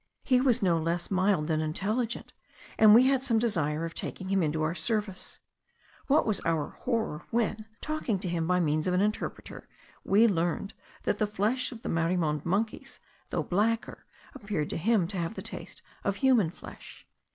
He was no less mild than intelligent, and we had some desire of taking him into our service. What was our horror when, talking to him by means of an interpreter, we learned, that the flesh of the marimonde monkeys, though blacker, appeared to him to have the taste of human flesh.